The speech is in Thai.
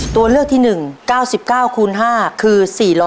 ตัวเลือกที่๑๙๙คูณ๕คือ๔๐